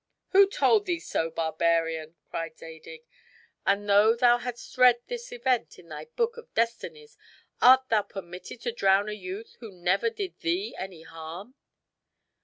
"Who told thee so, barbarian?" cried Zadig; "and though thou hadst read this event in thy Book of Destinies, art thou permitted to drown a youth who never did thee any harm?"